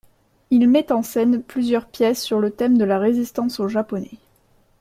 Il met en scène plusieurs pièces sur le thème de la résistance aux Japonais.